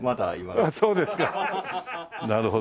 なるほどね。